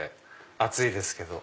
暑いですけど。